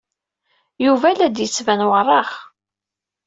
Yuba la d-yettban werraɣ.